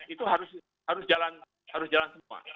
itu harus jalan semua